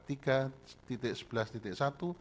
dan paragraf tiga sebelas dua